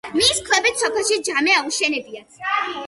მისი ქვებით სოფელში ჯამე აუშენებიათ.